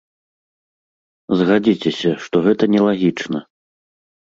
Згадзіцеся, што гэта нелагічна.